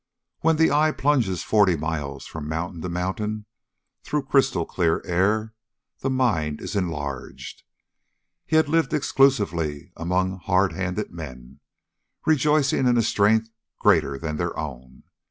When the eye plunges forty miles from mountain to mountain, through crystal clear air, the mind is enlarged. He had lived exclusively among hard handed men, rejoicing in a strength greater than their own.